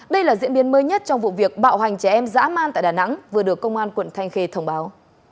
đây là diễn biến mới nhất trong vụ việc bạo hành trẻ em dã man tại đà nẵng vừa được công an quận thanh khê thông báo